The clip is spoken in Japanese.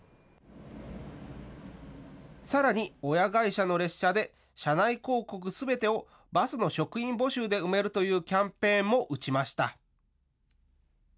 さらに親会社の列車で車内広告すべてをバスの職員募集で埋めるというキャンペーンも打ちました。